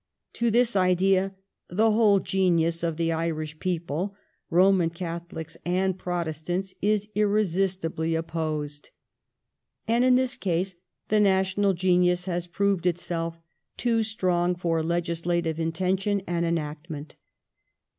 To this idea the whole genius of the Irish people, Roman Catholic^ and Protestants, is iiTesistibly opposed. And in this case the national genius has proved itself too strong for legislative intention and enactment.